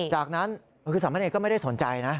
จากนั้นคือสามเณรก็ไม่ได้สนใจนะ